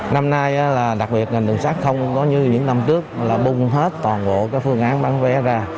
năm nay đặc biệt là ngành đường sát không có như những năm trước bùng hết toàn bộ phương án bán vé ra